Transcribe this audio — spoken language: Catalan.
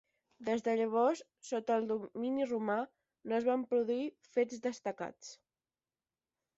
Des de llavors, sota domini romà, no es van produir fets destacats.